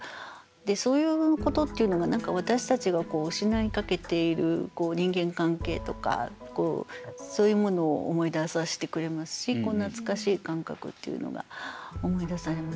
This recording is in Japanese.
そういうことっていうのが私たちが失いかけている人間関係とかそういうものを思い出させてくれますし懐かしい感覚っていうのが思い出されます。